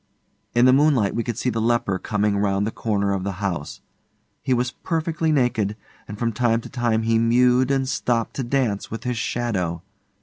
In the moonlight we could see the leper coming round the corner of the house. He was perfectly naked, and from time to time he mewed and stopped to dance with his shadow.